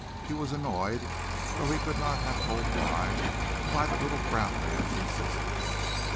He was annoyed, though he could not have told why, by the little brown man's insistence.